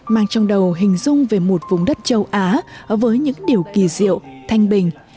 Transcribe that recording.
mang trong đầu hình dung về một vùng đất châu á với những điều kỳ diệu thanh bình